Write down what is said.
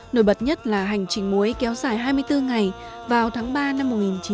nổi bật nhất là hành trình mối kéo dài hai mươi bốn ngày vào tháng ba năm một nghìn chín trăm ba mươi